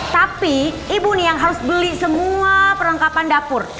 tapi ibu nih yang harus beli semua perlengkapan dapur